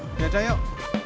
ya ada yuk